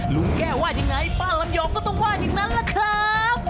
ลุงแก้วว่ายังไงป้าลำยองก็ต้องว่าอย่างนั้นล่ะครับ